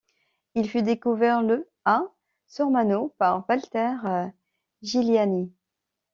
Il fut découvert le à Sormano par Valter Giuliani.